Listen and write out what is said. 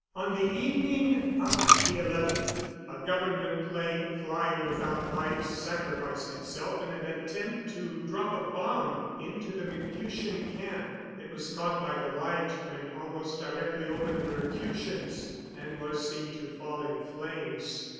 On the evening of the 11th a government plane, flying without lights, sacrificed itself in an attempt to drop a bomb into the Mercutian camp. It was caught by the light when almost directly over the Mercutians, and was seen to fall in flames.